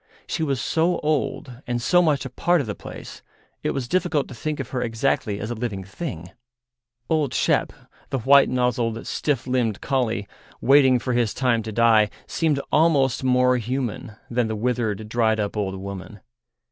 She was so old and so much a part of the place, it was difficult to think of her exactly as a living thing. Old Shep, the white nozzled, stiff limbed collie, waiting for his time to die, seemed almost more human than the withered, dried up old woman.